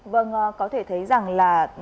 vâng có thể thấy rằng là